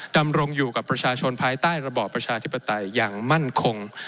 ดำรงอยู่กับประชาชนภายใต้ระบอบประชาธิปไตยอย่างมั่นคง